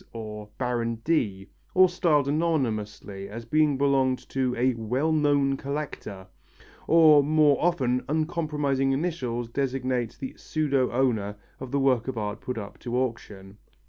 or Baron D., or styled anonymously, as having belonged to a "well known collector," or more often uncompromising initials designate the pseudo owner of the works of art put up to auction.